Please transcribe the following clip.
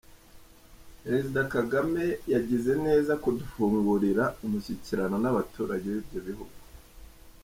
Perezida Kagame yagize neza kudufungurira umushyikirano n’abaturage b’ibyo bihugu.